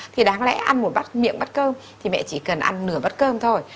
thì đáng lẽ ăn một miệng bát cơm thì mẹ chỉ cần ăn nửa bát cơm thôi